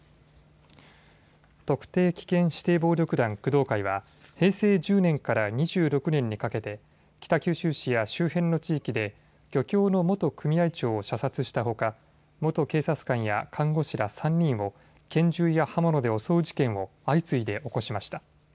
特定危険指定暴力団、工藤会は平成１０年から２６年にかけて北九州市や周辺の地域で漁協の元組合長を射殺したほか元警察官や看護師ら３人を拳銃や刃物で襲う事件を相次いで起こしました。